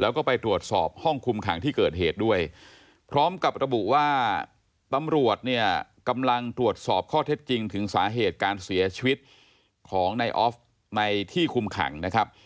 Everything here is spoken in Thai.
แล้วก็ไปตรวจสอบห้องคุมขังที่เกิดเหตุด้วยพร้อมกับระบุว่าตำรวจเนี่ยกำลังตรวจสอบข้อเท็จจริงถึงสาเหตุการเสียชีวิตของนายออฟในที่คุมขังนะครับ